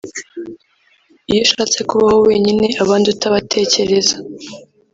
Iyo ushatse kubaho wenyine abandi utabatekereza